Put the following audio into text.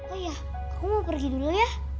oh ya aku pergi dulu ya